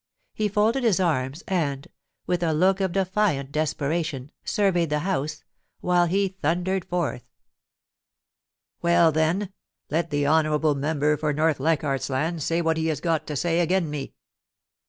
He folded his arms, and, with a look of defiant desperation, surveyed the House, while he thundered forth :* Well, then, let the honourable member for North Leichardt's Land say what he has got to say agen me.'